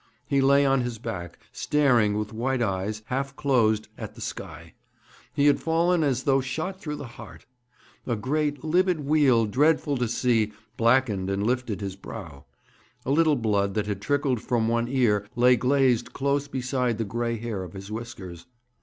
He lay on his back, staring with white eyes, half closed, at the sky. He had fallen as though shot through the heart. A great, livid weal, dreadful to see, blackened and lifted his brow. A little blood that had trickled from one ear lay glazed close beside the gray hair of his whiskers.